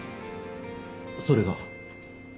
それが？